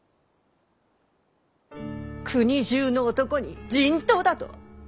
国中の男に人痘だと！？